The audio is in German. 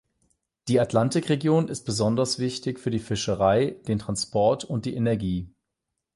Die Atlantikregion ist besonders wichtig für die Fischerei, den Transport und die Energie.